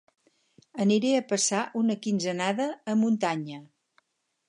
Aniré a passar una quinzenada a muntanya.